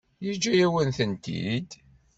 Yeǧǧa-yawen-tent-id?